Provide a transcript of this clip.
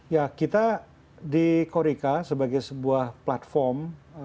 ya kita di korika sebagai sebuah platform